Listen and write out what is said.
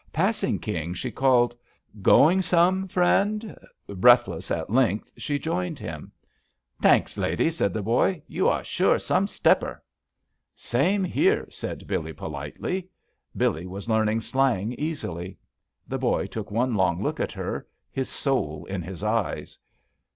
Passing King, she called : "Going some, friend 1" Breathless, at length, she joined him. "T'anks, lady," said the boy, "you are sure some stepper." "Same here," said Billee, politely. Billee was learning slang easily. The boy took one long look at her, his soul in his eyes.